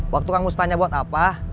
waktu kang mus tanya buat apa